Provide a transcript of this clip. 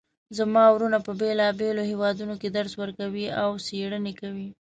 زما وروڼه په بیلابیلو پوهنتونونو کې درس ورکوي او څیړنې کوی